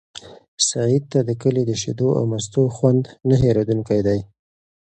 سعید ته د کلي د شیدو او مستو خوند نه هېرېدونکی دی.